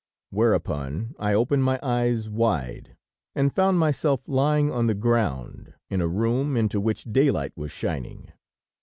Whereupon I opened my eyes wide, and found myself lying on the ground, in a room into which daylight was shining.